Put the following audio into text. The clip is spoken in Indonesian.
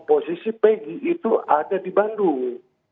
posisi pegi itu ada di bandung